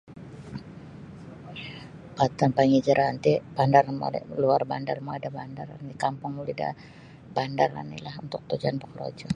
Pata' panghijrahan ti bandar luar bandar mongoi da bandar kampung muli' da bandar onilah untuk tujuan bokorojo.